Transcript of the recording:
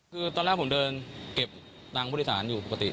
คือตอนแรกผมเดินเก็บตังค์ผู้โดยสารอยู่ปกติ